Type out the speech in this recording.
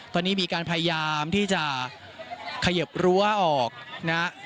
ตอนนี้มีการพยายามที่จะเขยิบรั้วออกนะฮะ